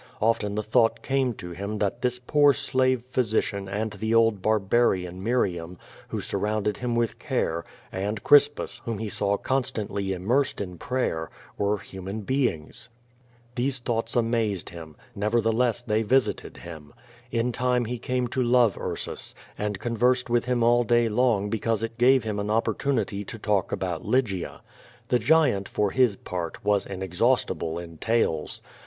Often the thought came to him that this poor slave pnysician and the old barbarian Miriam, who surrounded him with care, and Crispus, whom he saw constantly im mersed in prayer, were human beings. These thoughts amazed him, nevertlieless they visited him. In time he came to love Ursus, and conversed with him all day long because it gave him an opportunity to talk about Lygia. The giant, for his part, was inexhaustible in talcs.